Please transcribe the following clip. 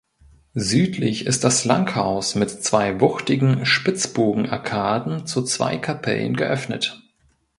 Südlich ist das Langhaus mit zwei wuchtigen Spitzbogenarkaden zu zwei Kapellen geöffnet.